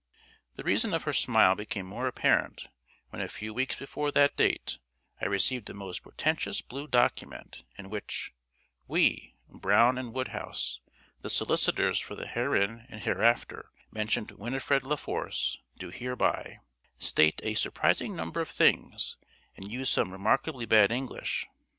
The reason of her smile became more apparent when a few weeks before that date I received a most portentous blue document in which "We, Brown & Woodhouse, the solicitors for the herein and hereafter mentioned Winifred La Force, do hereby" state a surprising number of things, and use some remarkably bad English.